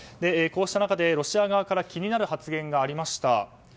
こうした中でロシア側から気になる発言がありました。